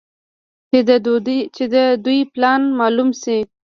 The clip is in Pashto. چې د دوى پلان مالوم سي.